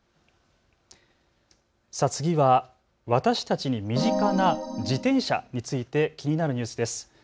次は私たちに身近な自転車について気になるニュースです。